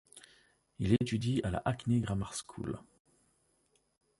Il étudie à la Hackney Grammar School.